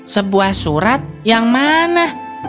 sebuah surat yang mana